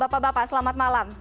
bapak bapak selamat malam